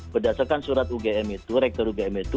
berdasarkan surat ugm itu rektor ugm itu